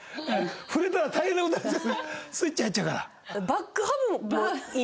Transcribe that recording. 触れたら大変な事になるスイッチ入っちゃうから。